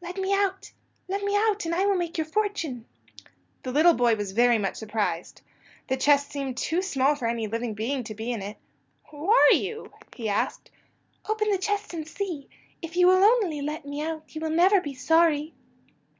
"Let me out! Let me out, and I will make your fortune." The little boy was very much surprised. The chest seemed too small for any living being to be in it. "Who are you?" he asked. "Open the chest and see. If you will only let me out you will never be sorry."